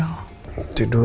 aku mau tidur